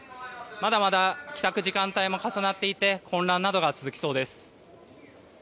まだまだ帰宅時間帯も重なっていて混乱などが続きそうです。